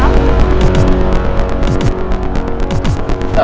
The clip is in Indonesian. tidak ada masalah